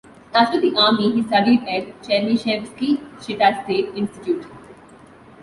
After the army he studied at Chernyshevsky Chita State Institute.